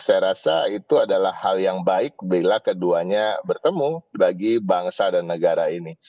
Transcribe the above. saya rasa itu adalah hal yang baik bila keduanya bertemu bagi bangsa dan negara ini